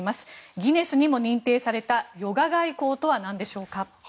ギネスにも認定されたヨガ外交とはなんでしょうか。